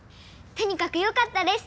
とにかくよかったです！